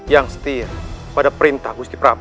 yang setir pada perintah gusti prabu